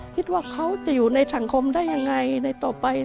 คิดว่าเขาจะอยู่ในสังคมได้ยังไงในต่อไป